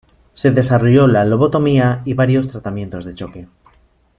Se desarrolló la lobotomía y varios tratamientos de choque.